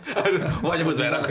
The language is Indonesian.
aduh wah nyebut merah